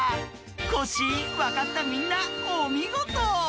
コッシーわかったみんなおみごと。